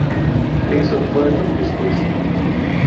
Place of birth of this Person.